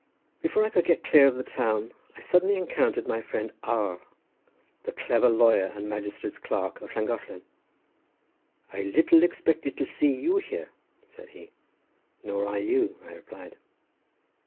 Before I could get clear of the town, I suddenly encountered my friend R—, the clever lawyer and magistrate's clerk of Llangollen. "I little expected to see you here," said he. "Nor I you," I replied.